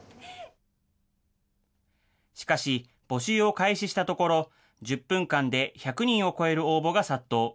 しかし、募集を開始したところ、１０分間で１００人を超える応募が殺到。